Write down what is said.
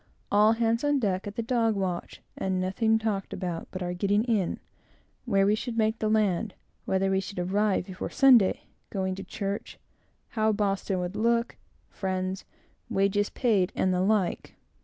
All hands on deck at the dog watch, and nothing talked about, but our getting in; where we should make the land; whether we should arrive before Sunday; going to church; how Boston would look; friends; wages paid; and the like.